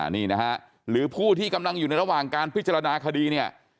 นี่นะฮะหรือผู้ที่กำลังอยู่ในระหว่างการพิจารณาคดีเนี่ย